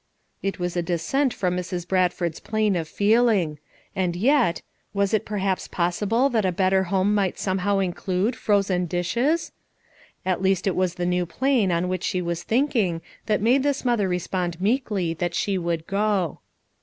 It was a descent from Mrs. Bradford's plane of feeling. And yet — was it perhaps possible that a better home might somehow include *' frozen dishes "? At least it was the new plane on which she was thinking that made this mother respond meekly that she would go.